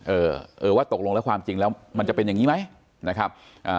เออเออว่าตกลงแล้วความจริงแล้วมันจะเป็นอย่างงี้ไหมนะครับอ่า